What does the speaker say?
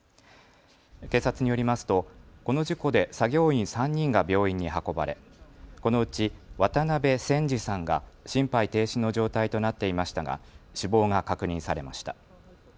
警察によりますとこの事故で作業員３人が病院に運ばれこのうち渡辺仙二さんが心肺停止の状態となっていましたが死亡が確認されました。